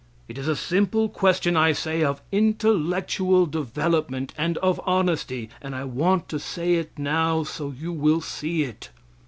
It is a simple question, I say, of intellectual development and of honesty. And I want to say it now, so you will see it.